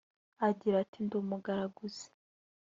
Agira ati “Ndi umuraguzi